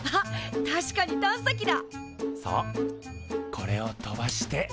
これを飛ばして。